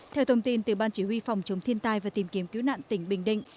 theo thông tin từ ban chỉ huy phòng chống thiên tai và tìm kiếm cứu nạn tỉnh bình định